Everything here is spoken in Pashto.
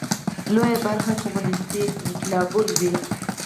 لویه برخه یې کمونېستي انقلابیون وو.